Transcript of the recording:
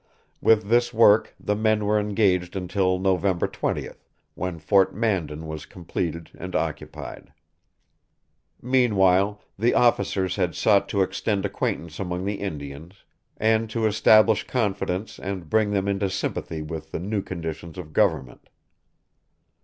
With this work the men were engaged until November 20th, when Fort Mandan was completed and occupied. Meanwhile, the officers had sought to extend acquaintance among the Indians, and to establish confidence and bring them into sympathy with the new conditions of government.